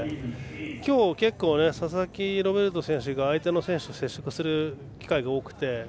今日、結構佐々木ロベルト選手が相手の選手と接触する機会が多くて。